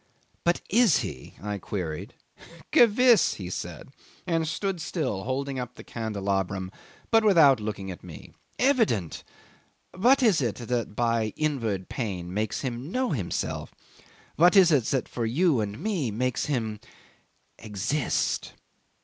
"But is he?" I queried. '"Gewiss," he said, and stood still holding up the candelabrum, but without looking at me. "Evident! What is it that by inward pain makes him know himself? What is it that for you and me makes him exist?"